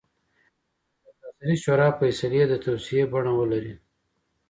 د سرتاسري شورا فیصلې د توصیې بڼه ولري.